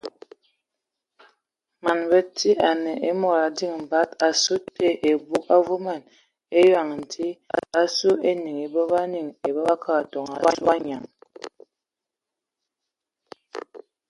Man bəti anə a mod a diŋ bad asu te ebug avuman eyɔŋ dzi asu enyiŋ ba nyiŋ ai bod ya kə ya toŋ ebug anyaŋ.